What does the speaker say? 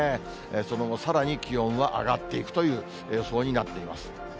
その後、さらに気温は上がっていくという予想になっています。